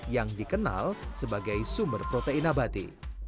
yang dikenal sebagai sumber protein abadi